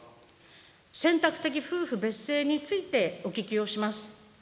選択的夫婦別姓についてお聞きをします。